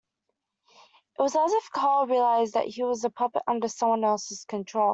It was as if Carl realised that he was a puppet under someone else's control.